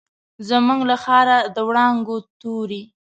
زموږ له ښاره، د وړانګو توري